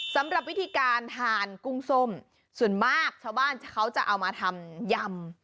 สำหรับวิธีการทานกุ้งส้มส่วนมากชาวบ้านเขาจะเอามาทำยำ